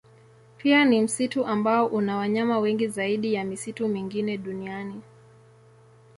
Pia ni msitu ambao una wanyama wengi zaidi ya misitu mingine duniani.